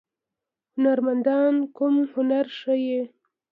هنرمندان کوم هنر ښيي؟